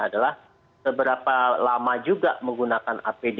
adalah seberapa lama juga menggunakan apd